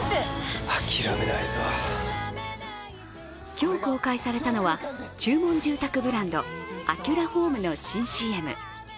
今日公開されたのは、注文住宅ブランドアキュラホームの新ＣＭ。